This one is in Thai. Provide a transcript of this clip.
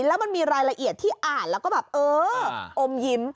แล้วมันมีรายละเอียดที่อ่านแล้วก็แบบเอออมยิ้ม